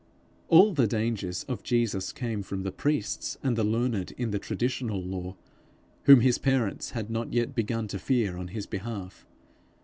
All the dangers of Jesus came from the priests, and the learned in the traditional law, whom his parents had not yet begun to fear on his behalf.